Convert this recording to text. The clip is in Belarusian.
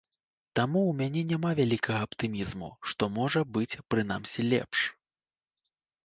Таму ў мяне няма вялікага аптымізму, што можа быць прынамсі лепш.